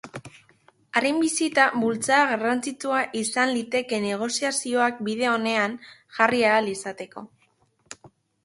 Haren bisita bultzada garrantzitsua izan liteke negoziazioak bide onean jarri ahal izateko.